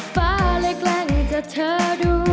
ฟ้าเล็กแรงจะเธอดู